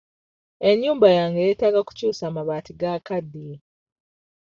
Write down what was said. Ennyumba yange yeetaaga kukyusa mabaati gakaddiye.